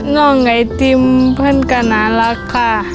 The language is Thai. น้องไอติมเพื่อนก็น่ารักค่ะ